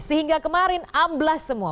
sehingga kemarin amblas semua